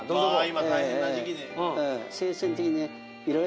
今大変な時期で。